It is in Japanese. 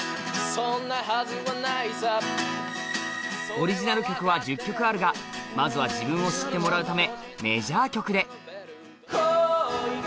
そんなはずはないさオリジナル曲は１０曲あるがまずは自分を知ってもらうため